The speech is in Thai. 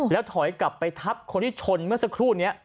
แล้วถอยกลับไปทับคนที่ชนเมื่อสักครู่นี้